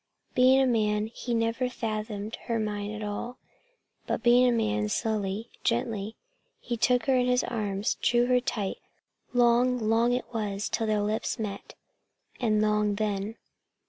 Being a man, he never fathomed her mind at all. But being a man, slowly, gently, he took her in his arms, drew her tight. Long, long it was till their lips met and long then.